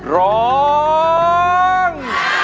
ร้อง